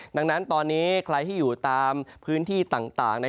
ดังนั้นตอนนี้ใครที่อยู่ตามพื้นที่ต่าง